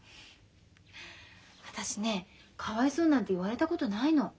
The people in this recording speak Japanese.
私ねかわいそうなんて言われたことないの。